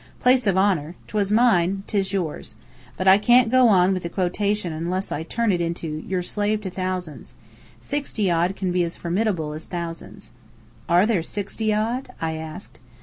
Place of honour. 'Twas mine, 'tis yours. But I can't go on with the quotation unless I turn it into 'You're slave to thousands.' Sixty odd can be as formidable as thousands." "Are there sixty odd?" I asked.